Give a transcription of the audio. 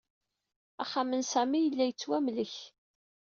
Axxam n Sami yella yettwamlek.